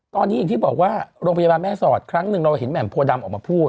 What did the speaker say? ตอนนี้อย่างที่บอกว่าโรงพยาบาลแม่สอดครั้งหนึ่งเราเห็นแหม่มโพดำออกมาพูด